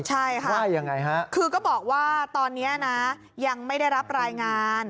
ใช่ค่ะคือก็บอกว่าตอนนี้นะยังไม่ได้รับรายงาน